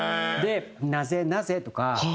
「なぜなぜ」とか。